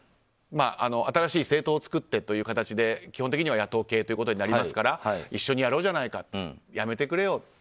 新しい政党を作ってという形で基本的には野党系ということになりますから一緒にやろうじゃないかやめてくれよと。